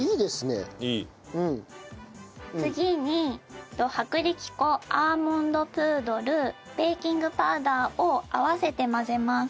次に薄力粉アーモンドプードルベーキングパウダーを合わせて混ぜます。